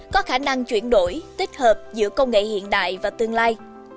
có khả năng chuyển đổi tích hợp giữa công nghệ hiện đại và tương lai